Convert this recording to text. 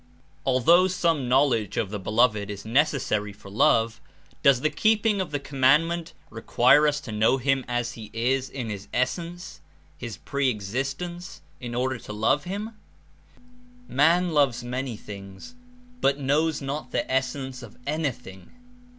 Although some knowledge of the Beloved Is neces sary for love, does the keeping of the command re quire us to know him as he is In his Essence, his Pre existence, in order to love him? Man loves many things, but knows not the essence of anything.